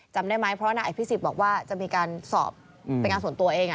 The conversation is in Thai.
จำได้ไหมเพราะว่านายอภิษฎบอกว่าจะมีการสอบเป็นงานส่วนตัวเอง